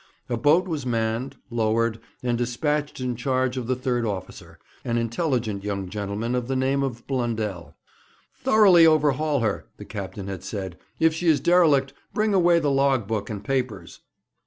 A boat was manned, lowered, and despatched in charge of the third officer, an intelligent young gentleman of the name of Blundell. 'Thoroughly overhaul her,' the captain had said. 'If she is derelict, bring away the log book and papers.'